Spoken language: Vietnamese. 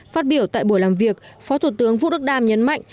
phát biểu tại buổi làm việc phó thủ tướng vũ đức đam nhấn mạnh